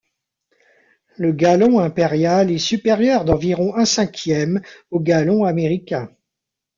Le gallon impérial est supérieur d'environ un cinquième au gallon américain.